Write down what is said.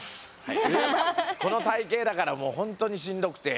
この体型だからもう本当にしんどくて。